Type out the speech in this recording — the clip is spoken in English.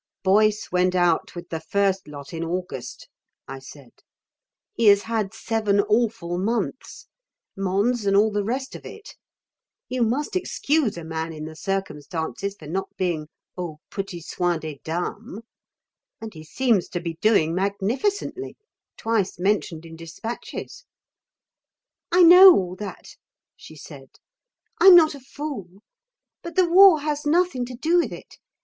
"Boyce went out with the first lot in August," I said. "He has had seven awful months. Mons and all the rest of it. You must excuse a man in the circumstances for not being aux petits soins des dames. And he seems to be doing magnificently twice mentioned in dispatches." "I know all that," she said. "I'm not a fool. But the war has nothing to do with it.